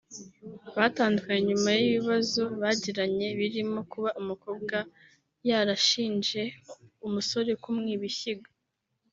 Batandukanye nyuma y’ibibazo bagiranye birimo kuba ‘umukobwa yarashinje umusore kumwiba ishyiga